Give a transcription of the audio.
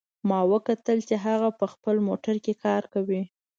ما وکتل چې هغه په خپل موټر کې کار کوي